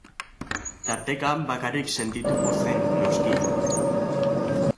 Tarteka, bakarrik sentituko zen, noski?